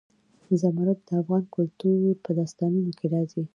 زمرد د افغان کلتور په داستانونو کې راځي.